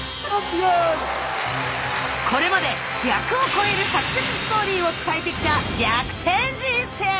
これまで１００を超えるサクセスストーリーを伝えてきた「逆転人生」。